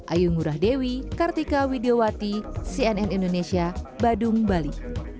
ayu ngurah dewi kartika widiawati cnn indonesia badung bali